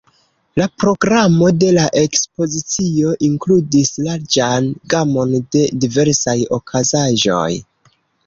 La programo de la ekspozicio inkludis larĝan gamon de diversaj okazaĵoj.